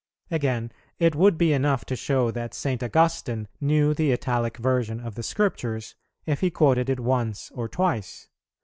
Again, it would be enough to show that St. Augustine knew the Italic version of the Scriptures, if he quoted it once or twice.